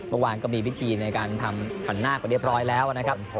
เมื่อวานก็มีพิธีในการทำผันหน้าไปเรียบร้อยแล้วนะครับ